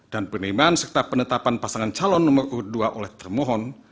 dan penerimaan serta penetapan pasangan calon nomor urut dua oleh termohon